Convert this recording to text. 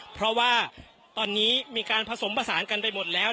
เพราะว่าตอนนี้มีการผสมผสานกันไปหมดแล้ว